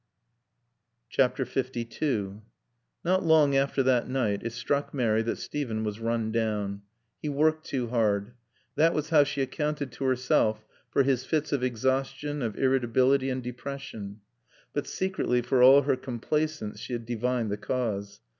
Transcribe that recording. LII Not long after that night it struck Mary that Steven was run down. He worked too hard. That was how she accounted to herself for his fits of exhaustion, of irritability and depression. But secretly, for all her complacence, she had divined the cause.